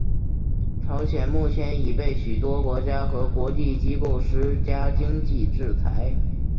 朝鲜目前已被许多国家和国际机构施加经济制裁。